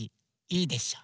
いいでしょ？